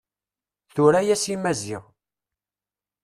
Tura-yas i Maziɣ.